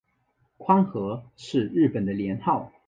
宽和是日本的年号。